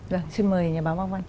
dạ xin mời nhà báo bác văn